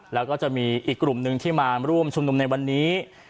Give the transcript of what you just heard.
แล้วก็จะมีอีกกลุ่มหนึ่งที่มาร่วมชุมนุมในวันนี้